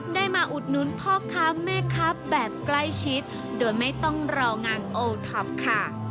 ได้มาอุดนุนพ่อค้าแม่ค้าแบบใกล้ชิดโดยไม่ต้องรองานโอท็อปค่ะ